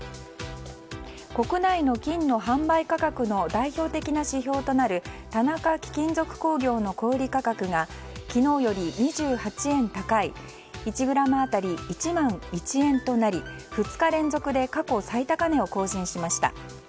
国内の金の販売価格の代表的な指標となる田中貴金属工業の小売価格が昨日より２８円高い１ｇ当たり１万１円となり２日連続で過去最高値を更新しました。